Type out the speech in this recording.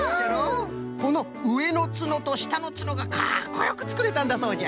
このうえのツノとしたのツノがかっこよくつくれたんだそうじゃ。